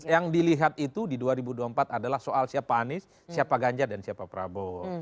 yang dilihat itu di dua ribu dua puluh empat adalah soal siapa anies siapa ganjar dan siapa prabowo